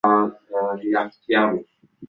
limekuwa na ushawishi mkubwa katika nchi hiyo na